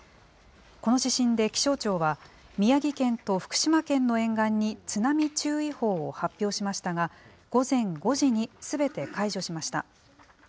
この地震で気象庁は、宮城県と福島県の沿岸に津波注意報を発表しましたが、午前５時にすべて解除しました。